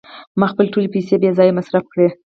ما خپلې ټولې پیسې بې ځایه مصرف کړې.